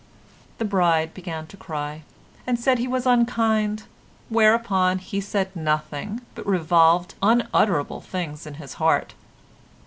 The bride began to cry, and said he was unkind; whereon he said nothing, but revolved unutterable things in his heart.